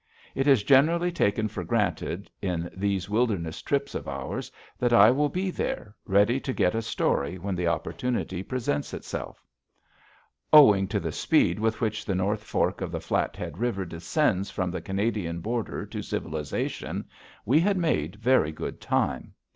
It is generally taken for granted in these wilderness trips of ours that I will be there, ready to get a story when the opportunity presents itself. Owing to the speed with which the North Fork of the Flathead River descends from the Canadian border to civilization, we had made very good time.